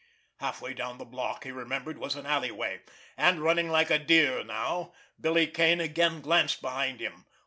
Halfway down the block, he remembered, was an alleyway; and, running like a deer now, Billy Kane again glanced behind him.